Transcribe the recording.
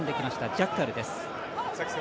ジャッカルです。